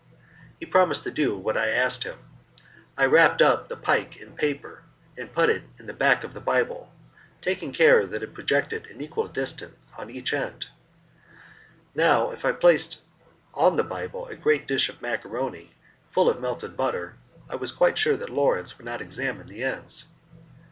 He promised to do what I asked him. I wrapped up the pike in paper and put it in the back of the Bible, taking care that it projected an equal distance at each end. Now, if I placed on the Bible a great dish of macaroni full of melted butter I was quite sure that Lawrence would not examine the ends.